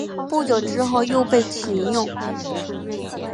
不久之后又被起用。